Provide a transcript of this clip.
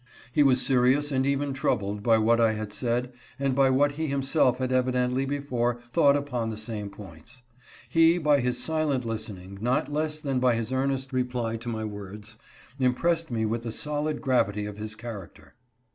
He was serious and even troubled by what I had said and by what he himself had evidently before thought upon the same points. He, by his silent listen ing not less than by his earnest reply to my words, im pressed me with the solid gravity of his character.